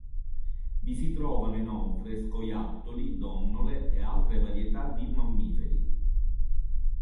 Vi si trovano inoltre scoiattoli, donnole e altre varietà di mammiferi.